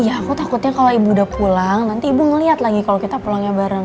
ya aku takutnya kalau ibu udah pulang nanti ibu ngelihat lagi kalau kita pulangnya bareng